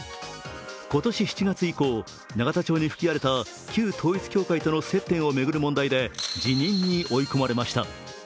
今年７月以降、永田町に吹き荒れた旧統一教会との接点を巡る問題で辞任に追い込まれました。